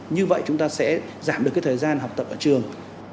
như vậy chúng ta sẽ giảm được cái thời gian học tập ở trường